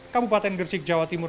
kabupaten gersik jawa timur